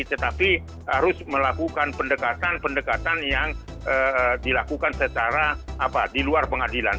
tetapi harus melakukan pendekatan pendekatan yang dilakukan secara di luar pengadilan